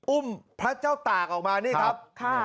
อุ้มพระเจ้าตากออกมานี่ครับ